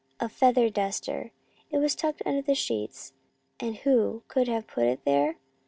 A feather duster! It was tucked under the sheets, and who could have put it there